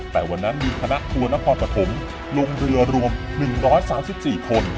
แต่วันนั้นมีคณะทัวร์นครปฐมลงเรือรวม๑๓๔คน